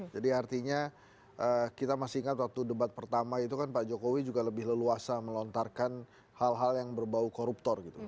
jadi artinya kita masih ingat waktu debat pertama itu kan pak jokowi juga lebih leluasa melontarkan hal hal yang berbau koruptor gitu